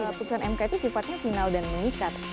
putusan mk itu sifatnya final dan mengikat